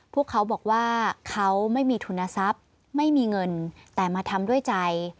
พวกเขาบอกว่าเขาไม่มีทุนทรัพย์ไม่มีเงินแต่มาทำด้วยใจ